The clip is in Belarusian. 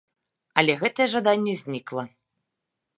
Але гэтае жаданне знікла.